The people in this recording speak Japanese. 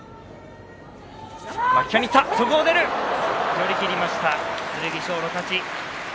寄り切りました、剣翔の勝ち。